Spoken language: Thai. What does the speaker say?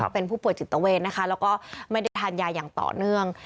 เป็นผู้ป่วยจิตเวทนะคะแล้วก็ไม่ได้ทานยาอย่างต่อเนื่อง